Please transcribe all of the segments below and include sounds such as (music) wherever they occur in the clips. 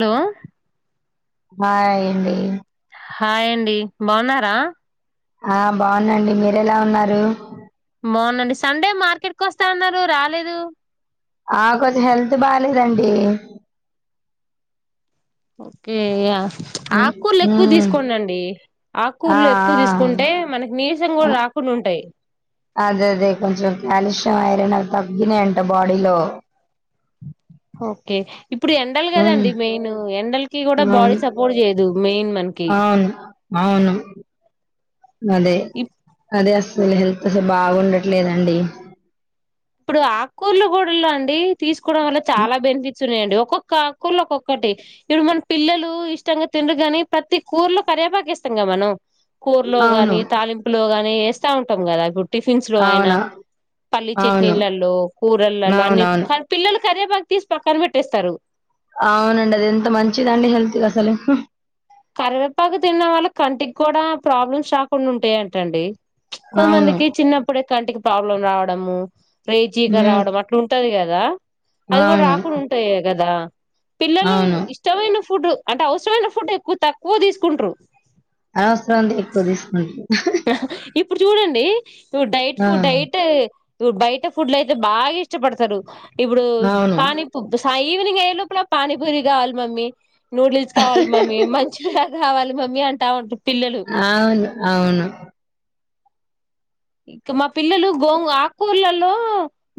లో హయ్ అండి హాయండి బాగున్నారా ఆ బాగుందండి మీర ఎలా ఉన్నారు. బావున్నాండి సండే మార్కెట్ కు వస్తా ఉన్నారు రాలేదు. ఆ కొంచెం హెల్త్ బాలేదండి ఓకే యా. హ్మ్ ఆక్కూర్లు ఎక్కువ హ్మ్ తీసుకోండండి ఆ ఆక్కూర్లు ఎక్కువ తీసుకుంటే మనకి నీసం ఆ కూడా అ రాకుండ ఉంటయి ఇరన్ తగ్గినయి అంట బాడీలో. ఒకే ఇప్పుడు ఎండలు హ్మ్ కదండి మెయిన్ ఎండలకిి కూడా అవును బాడీ సపోర్ట్ చేయదు మెయిన్ మనకి. అవును అవును అదే అదే అసలు హెల్త్ బాగుండట్లేదండి ఇప్పుడు అక్కర్లు కూడ అండి తీసుకు కోవ వల్ల చాలా బెనిఫిట్ చూనేయండి ఒక్కొక్క అక్కర్లు ఒక్కొక్కటి ఇప్పుడు మన పిల్లలు ఇష్టంగా తినరు కానీ ప్రతి కూరలో కర్వేపాకు వేస్తాం కద మనం. కూర్లో అవును గాని తాలింపులో గాని ఏస్తా ఉంటాం కదా ఇప్పు టిఫిన్స్ లో అయిన అవునా పల్లీ చెట్ అవును నిళ్ళలో కూరళ్లలో అన్ని అవునవును కనీ పిల్లలు కర్రేపాక్ తీసి పక్కన పెట్టేస్తారు అవునండి అది ఎంత మంచిదండి హెల్త్ అసలు కరివేపాకు తిన్న వాళ్ళకి కంటికి కూడ ప్రాబ్లమ్స్ రాకుండ ఉంటాయంటండి అవును కొంతమందికి చిన్నప్పుడే కంటికి ప్రాబ్లం రావడం. డమ్ము రే చీకటి హ్మ్ రావడం అట్ల ఉంటది కదా అది కూడ అవును రాకుండ ఉంటాయ కదా పిల్లలు అవును ఇష్టమైన ఫు ఫుడ్ అంటే అవసరమైన ఫుడ్ తక్కువ తక్కువ తీసుకుంట్రు అనవసరంది ఎక్కువ తీసుకుంటారు ఇప్పుడు చూడండి ఫో డైట్ ఆ ఫు డైట్. బయట ఫుడ్లు అయితే బాగా ఇష్టపడతారు ఇప్పుడు అవును పానీపు సాయి. ఈవనింగ్ అయ్యేలోపల పానిపూరి కావాలి మమ్మీ నూడిల్స్ కావాలి మమ్మీ మంచిగ కావాలి మమ్మీ అంటా ఉంటు అవును అవును ఇక మా పిల్లలు గోంగూ ఆకూర్లలో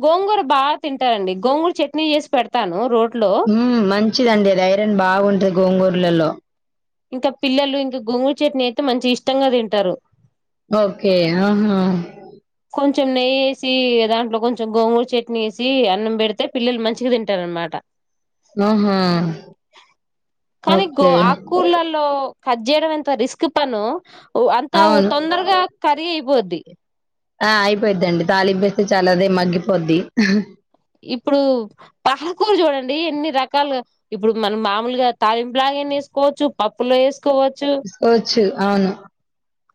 గోంగూర బాగా తింటారండి గోంగూర చట్నీ చేసి పెడతాను రోడ్ హమ్ మంచిదండి అది ఐరన్ బాగుంటది గోంగ లొ ఇంక పిల్లలు ఇంక గొంగు చట్నీ అయితే మంచి ఇష్టంగా తింటరు. ఒకే ఆహా. కొంచెం నెయ్యి వేసి దాంట్లో కొంచెం గోంగూరు చట్నీ వేసి అన్నం పెడితే పిల్లలు మంచిగ తింటారనమాట. ఆహా ఓకే కు కట్ చేయడం ఎంత రిస్క్ పనో అంతా అవును తొందరగా కరిగి పోద్ది ఆ అయిపోయిదిండి తాళింపేస్తే చాలాదే మగ్గిపోద్ది ఇప్పుడు పాలకూలు చూడండి ఎన్ని రకాలుగా ఇప్పుడు మనం మామూలుగా తాలింపు లాగాన్ని వేసుకోవచ్చు పప్పులో వే తీసుకోవచ్చు అవును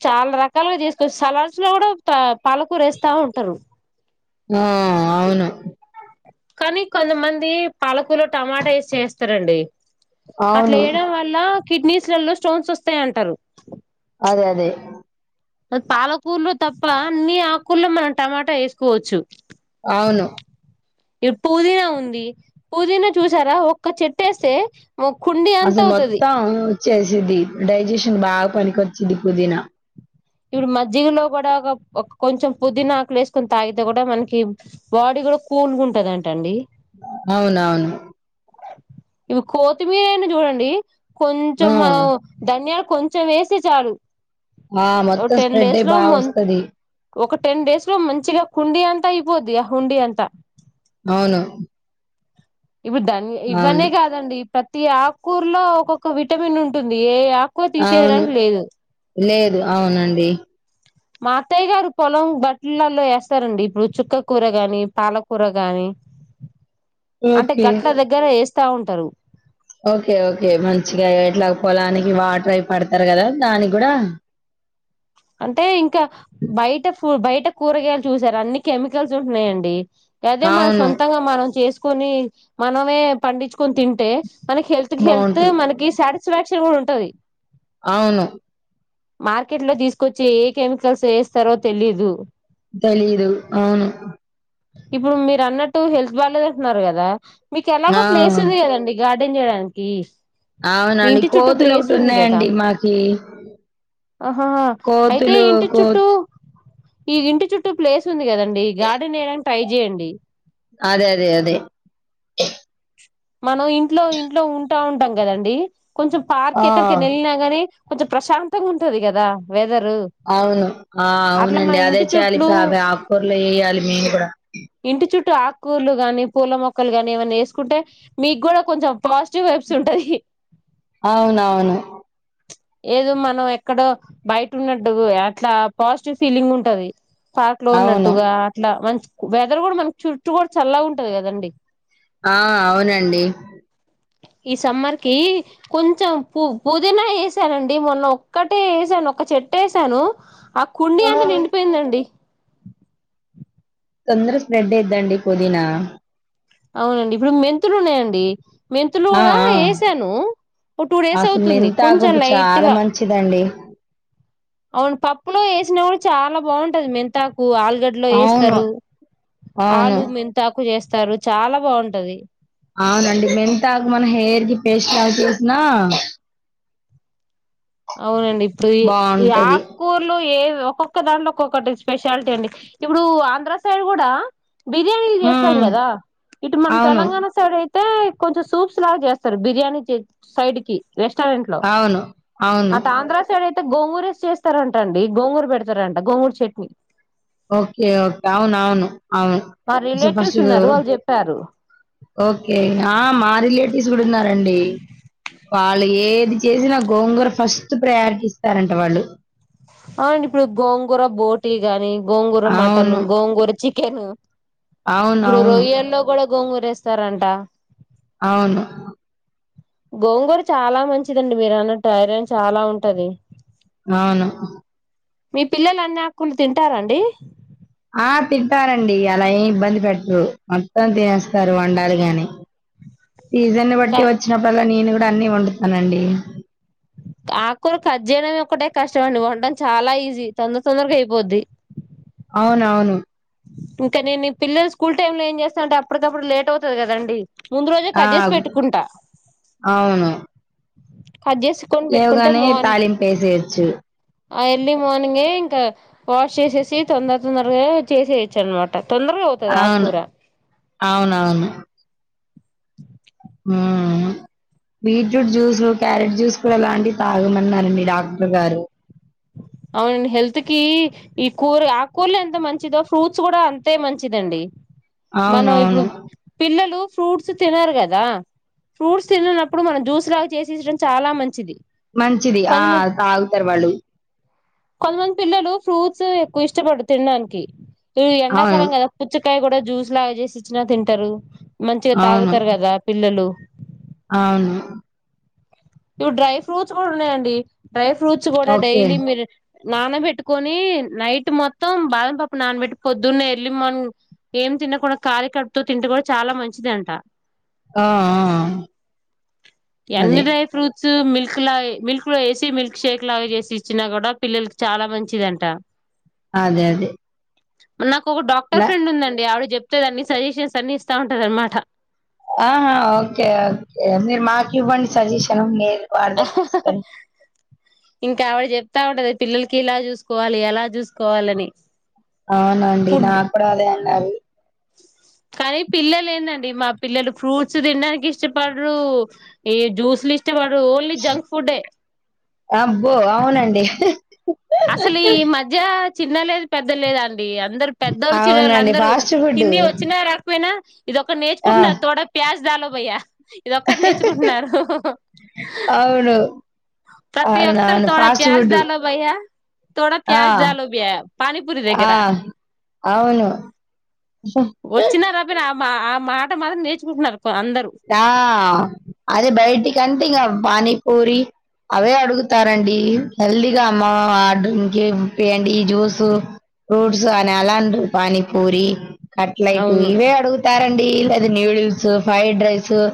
చాలా రకాలుగా తీసుకోవచ్చు సలాడ్స్ లో కూడా తా పలుకూరేస్తా ఉంటారు ఆ అవును. కానీ కొంతమంది పాలకుర్లో టమాటా వేసి చేస్తారండి అట్లా అవును వేయడం వల్ల కిడ్నీస్లలో స్టోన్స్ వస్తాయ అంటారు అదే అదే. పాలకూర్లో తప్ప అన్ని ఆకూల్లో మనం టమాటా వేసుకోవచ్చు అవును ఇప్పుడు పుదీనా ఉంది పుదీనా చూసారా ఒక్క చెట్ వేస్తే. అసలు మొత్తం చేసిది డైజెషన్ బాగా పనికొచ్చిది పుదీనా ఇప్పుడు మజ్జిగలో కూడా ఒక కొంచెం పుదీనాకులు వేసుకొని తాగితే కూడా మనకి బాడీ కూడా కూల్గా ఉంటదింట అండి అవునవును ఇవి కోతిమీర అని చూడండి కొంచంమో ఆ ధనియాల కొంచెం వేస్తే చాలు ఆ ఓ మొత్తం టెన్ స్ప్రెడ్ డేస్ అయి లో బాగా వస్తుది. ఒక టెన్ డేస్ లో మంచిగా కుండీ అంతా అయిపోద్ది ఆ హుండీ అంతా అవును ఇప్పుడు దాని అవును ఇవన్న కాదండి ప్రతి ఆకూర్లో ఒక్కొక్క విటమిన్ ఉంటుంది ఏ ఆకుకూర అవును తీసేయడానికి లేదు లేదు అవునండి మా అత్తయ్య గారు పొలం బట్టలల్లో వేస్తారండి ఇప్పుడు చుక్కకూర గాని పాలకూర గాని అంటే ఓకే గట్ల దగ్గర ఏస్ వస్తా ఉంటరు ఓకే ఓకే మంచిగా ఇట్లా పోలానికి వాటర్ అవి పడతారు కదా దానికి కూడా అంటే ఇంకా బయట హ్మ్ బయట కూరగాయలు చూశారు అన్ని కెమికల్స్ ఉంటున్నాయండి అదే మన అవును సొంతంగా మనం చేస్ కొని మనమే పండించుకొని తింటే మనకి హెల్త్ కి హెల్త్ బాగుంటది మనకి సాటిస్ఫాక్ క్షన్ కూడా ఉంటది అవును మార్కెట్ లో దీస్ కొచ్చి ఏ కెమికల్స్ ఏస్తారో తెలీదు తెలిదు అవును ఇప్పుడు మీరు అన్నట్టు హెల్త్ బాలేదంటున్నారు కదా మీకు ఎలాగో ఆ ప్లేస్ ఉంది కదండి గాడ్ డెన్ చేయడానికి మీ అవునండి ఇంటి చుట్టూ కోతులు ప్లేస్ ఒకటి ఉంది కదా ఉన్నాయండి, మాకి ఆహా కోతులు కోత్. ఈగ్ ఇంటి చుట్టూ ప్లేస్ సుంది కదండి ఈ గార్డెన్ ఏడాన్ ట్రై జేయండి అది అది అదే మనం ఇంట్లో ఇంట్లో ఉంటా ఉంటాం కదండి కొంచెం పార్క్ ఆ ఎక్కడికేనా ఎళ్ళినా గాని కొంచెం ప్రశాంతంగా ఉంటది కదా వెదర్ అవును ఆ అవునండి అదే ఇంటి చెయ్యాలి చుట్లు ఇప్పుడు అవే ఆకూరలు ఏయ్యాలి మేము కూడా ఇంటి చుట్టూ ఆకుకూరలు గాని పూల మొక్కలు గాని ఇవన్నీ వేసుకుంటే మీకు కూడా కొంచెం పాజిటివ్ వైబ్స్ ఉంటది అవునవును ఏదో మనం ఎక్కడో బయటన్నట్టు అట్లా పాజిటివ్ ఫీలింగ్ ఉంటది పార్క్ లో అవును ఉన్నట్టుగా అట్లా మంచి వెదర్ కూడా మనకి చుట్టూ కూడా చల్లగా ఉంటది కదండి ఆ అవునండి ఈ సమ్మర్ కి కొంచెం పు పుదీనా వేసానండి మొన్న ఒక్కటే వేసాను ఒక చెట్టు వేసాను ఆ కుండి అంత నిండిపోయిందండి తొందర స్ప్రెడ్ అయిద్దండి పుదీనా అవునండి ఇప్పుడు మెంతులు ఉన్నాయండి మెంతులు ఆ కూడా ఆ వేసాను ఓ టూ డేస్ అసలు అవుతుంది మెంతాకు కొంచెం చాలా లైట్గా మంచిదండి అవును పప్పులో వేసినా కూడా చాలా బాగుంటది మెంతాకు కు ఆలుగడ్డలో అవును వేస్తారు అవును ఆలు మెంతాకు చేస్ ఏస్తారు చాలా బాగుంటది అవునండి మెంతాకు మన హెయిర్ కి పేస్ట్ లాగ చేసినా అవునండి ఆ బాగుంటది కూూర్లు ఏ ఒక్కొక్క దాంట్లో ఒక్కొక్కటి స్పెషాలిటీ అండి ఇప్పుడు ఆంధ్ర సైడ్ కూడా బిర్యానీలు చేస్తాం హ్మ్ కదా ఇటు మన అవును తెలంగాణ సైడ్ అయి అయితే కొంచెం సూప్స్ లాగా చేస్తారు బిర్యానీ సైడ్ కి రెస్టారెంట్ లో అవును అవును అటు ఆంధ్ర సైడ్ అయితే గోంగూర యేసి చేస్తారంటండి గోంగూరు పెడతారంట గోంగూరు చట్నీ ఓకేఓకే అవును అవును అవును మా రిలేటివ్స్ ఉన్నారు వాళ్ళు చెప్పారు ఓకే ఆ మా రి లేట్ ఇసుగుడున్నా రండి వాళ్ళు ఏ ఇది చేసిన గోంగూర ఫస్ట్ ప్రయారిటీ ఇస్తారంట వాళ్ళు అవునండి ఇప్పుడు గోంగూర బోటీ గాని గోంగూర మటన్ అవును. గోంగూర చ కెను ఇప్పుడు అవునవును. రొయ్యల్లో కూడా గోంగూరెస్తారంటా అవును గోంగూర చాలా మంచిదండి మీరు అన్నట్టు ఐరన్ చాలా ఉంటది అవును మీ పిల్లలు అన్ని ఆకులు తింటార అండి ఆ తింటారంండి అలా ఏం ఇబ్బంది పెట్టరు మొత్తం తినేస్తారు వండాలి గాని సీజన్ని బట్టి వచ్చినప్పుడలా నేను ఇ అన్ని వండుతానండి ఆకులు కట్ చేయడంమే ఒక్కటే కష్టం అండి వండం చాలా ఈజీ తొందర తొందరగా అయిపోద్ది అవునవును ఇంకా నేను ఈ పిల్లలు స్కూల్ టైమ్ లో ఏం చేస్తానంటే అప్పటికప్పుడు లేట్ అవుతుది కదండి ముందు రోజే ఆ! కజేసి పెట్టుకుంటా అవును. కట్ చేసుకొని పెట్టుకుంటే లేవగానే మార్న్ తాలీంపేసెయొచ్చు ఎర్లీ మార్నింగే ఇంకా వాష్ చేసేసి తొందర తొందరగా చేసేయచ్చు అనమాట తొందర పోతుది అవును. ఆకూర అవునవును హ్మ్ బీట్రూట్ జ్యూస్ క్యారెట్ జ్యూస్ కూడా లాంటివి తాగమన్నారండి డాక్టర్ గారు అవును హెల్త్ కి ఈ కూర ఆకూరలు ఎంత మంచిదో ఫ్రూట్స్ కూడా అంతే మంచిదండి మనం ఇప్పుడు అవునవును. పిల్లలు ఫ్రూట్స్ తినరు కదా ఫ్రూట్స్ తిన్ననప్పుడు మనం జ్యూస్ లాగా చేసిం చడం చాలా మంచిది మంచిది ఆ కొంతమ తాగుతారు వాళ్ళు కొంతమంది పిల్లలు ఫ్రూట్స్ ఎక్కువ ఇష్టపడు తినడానికి ఇ అవును. ఎండాకాలం కదా పుచ్ కాయ కూడా జ్యూస్ లాగా చేేసి ఇచ్చినా తింటారు మంచిగా అవును. తాగుతారు కదా పిల్లలు అవును ఇప్పుడు డ్రై ఫ్రూట్స్ కూడా ఉన్నాయండి డ్రై ఫ్రూట్స్ కూడా ఓకే. డైలీ మీర్ నానబెట్టుకొని నైట్ మొత్తం బాదం పాప్పు నానబెట్టి పొద్దున్నే ఎర్లీ మార్నింగ్ ఏం తిినకుండా కాలి కడుపుతో తింటే కూడా చాలా మంచిదంట ఆ ఆ ఆ ఎన్ని డ్రై ఫ్రూట్స్ స్ మిల్క్ లాగే మిల్క్ లో వేసి మిల్క్ షేక్ లాగా చేసి ఇచ్చిన కూడా పిల్లలకి చాలా మంచిదండ అదే అదే (unintelligible) నాకు ఒక ల డాక్టర్ ఫ్రెడ్ ఉందండి ఆవిడ చెప్ చెప్పేదండి సజెషన్స్ అన్ని ఇస్తా ఉంటది అనమాట ఆహా ఓకే ఓకే మీరు మాకు ఇవ్వండి సజెషన్ మీర్ వార్నింగ్ ఇస్తాద్ ఇంకా ఆవిడ చెప్తా ఉంటది పిల్లలకి ఇలా చూసుకోవాలి అలా చూసుకోవాలని అవునండి నా ఫుడ్ కూడా అదే (inaudible) కానీ పిల్లలు ఏందండి మా పిల్లలు ఫ్రూట్స్ తిినడానికి ఇష్టపడరు ఈ జ్యూస్లు ఇష్ట్ ఇష్టపడురూ ఓన్లీ జంక్ ఫుడ్ ఏ అబ్బో అవునండి అసలు ఈ మధ్య చిన్నలేదు పెద్ద లేదు అన్ డీ పెద్దవాళ్ళు చిన్నవాళ్ళు అవునండి. అందరు ఫాస్ట్ ఫుడ్డు. హిందీ వచ్చినా రాకపోయినా ఇది ఒకటి ఆ! నేర్చుకుంటున్నారు తొడ ప్యాజ్ జలో భయ్యా ఇది ఒక్కటి నేర్చుకుంటున్నారు హు హూ అవును. ప్రతి ఒక్కలు అవునవును. తోడా ఫాస్ట్ ప్యాజ ఫుడ్డు. డాలో భయ్యా (inaudible) తొడ ఆ! ప్యాజ్ దాలో భయ్యా పాని పురి ఆ! దగ్గర అవును. వచ్చిన రాపోయిన మా ఆ మాట మాత్రం నేర్చుకుంటున్నారు ఆ అదే బయటికన్త్ తిన్ ఇంగా పానీపూరి అవే అడుగుతారండి హెల్తీగా అమ్మ ఆర్డకె యండి జ్యూస్ ఫ్రూట్స్ అని అలా అన్రు పానీపూరి కట్లెట్ అవును ఇవే అడుగుతారండి న్యూడిల్స్ ఫ్రైడ్ రైస్ స్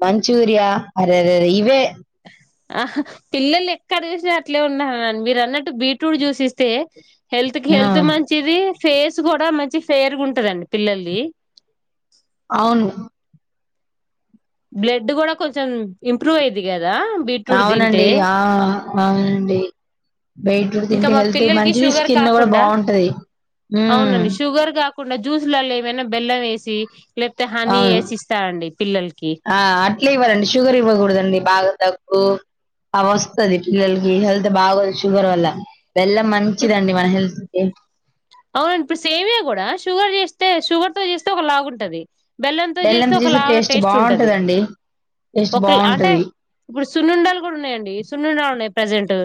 ప చూర్య అరేరే ఇవే ఆహా పిల్లలు ఎక్కడ చూసినా అట్లే ఉన్నా అని మీరు అన్నట్టు బీట్రూట్ జ్యూసి ఇస్తే హెల్త్ కి ఆ హెల్త్ మంచిది ఫేస్ కూడా మంచి ఫేర్గా ఉంటుందండి పిల్లల్ది అవును బ్లడ్ కూడా కొంచెం ఇంప్రూవ్ అయది కదా బీట్రూట్ తింటే అవునండి ఆ అవునండి బీట్రూట్ ఇంకా తింటే మా హెల్త్ పిల్లలకి మంచిది షుగర్ స్కిన్ కూడా కాకుండా బాగుంటది మ్ అవునండి షుగర్ కాకుండా జ్యూస్లలో ఏమైనా బెల్లం వేసి లేకపోతే హనీ అవును వేసిస్తారండి పిల్లలకి ఇట్లా ఇవ్వాలండి షుగర్ ఇవ్వకూడదండి బాగా తక్కువ అ వస్తుది పిల్లలకి హెల్త్ బాగదు షుగర్ వల్ల వెళ్ళ మంచిదండి మన హెల్త్ కి అవునండి ఇప్పుడు సేవియా కూడా షుగర్ చేస్తే షుగర్ తో చేస్తే ఒక లాగు ఉంటంది బెల్లం తీసి టేస్ట్ బాగుంటదండి టేస్ట్ ఒక అంటే బాగుంటది ఇప్పుడు సున్నుండాలు కూడా ఉన్నాయండి సున్నండాలు ఉన్నాయి ప్రజెంట్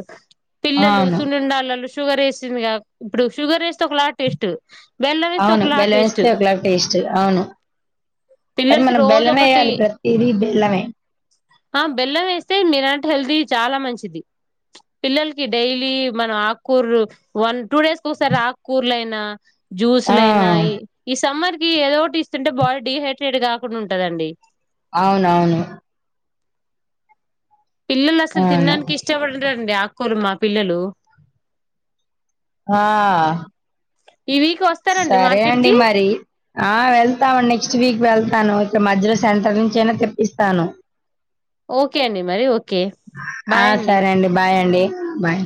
పిల్లలు అవును సునుండాలలు షుగర్ వేసిందిగా ఇప్పుడు షుగర్ వేస త ఒకలా టేస్టు అవును బెల్లం వేస్తే ఒకలా టేస్ట్ అవును కానీ పిల్లలకి మనం రోజు బెల్లం ఒకటి వేయాలి ప్రతిదీ బెల్లమే ఆ బెల్లం వేస్తే మీరన్నట్టు హెల్తీ చాలా మంచిది పిల్లలకి డైలీ మనం ఆకుకూరు వన్ టూ డేస్కిఓసారి ఆకు కూర్లైనా ఆ జ్యూస్లుయినాయి ఈ సమ్మర్ ఏదో ఒకటి ఇస్తుంటే బాడీ డీహైడ్రేట్ కాకుండా ఉంటదండి అవునవును పిల్లు అసలు అవును తినడానికి ఇష్టపడరు డి ఆకూరు మా పిల్లలు వా ఈ వీక్ వస్తారండి సరే మార్కెట్ అండి కి మరి ఆ వెళ్తాము నెక్స్ట్ వీక్ వెళ్తా స్తాను ఇక మధ్యలో సెంటర్ నుంచి అయినా తెప్పిస్తాను ఓకే అండి మరి ఓకే ఆ బాయ్ అండి సరే బాయ్ అండి బాయ్